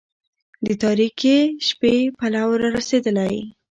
د تاريكي شپې پلو را رسېدلى